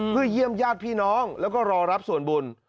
เพื่อเยี่ยมญาติพี่น้องแล้วก็รอรับส่วนบุญ